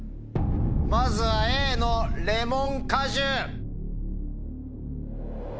まずはＡのレモン果汁。